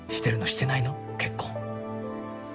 してないの？結婚。